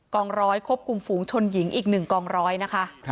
องร้อยควบคุมฝูงชนหญิงอีก๑กองร้อยนะคะ